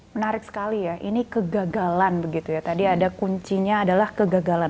menarik sekali ya ini kegagalan begitu ya tadi ada kuncinya adalah kegagalan